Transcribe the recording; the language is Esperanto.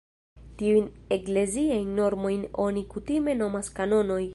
Tiujn ekleziajn normojn oni kutime nomas "kanonoj".